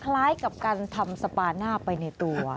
คล้ายกับการทำสปาหน้าไปในตัว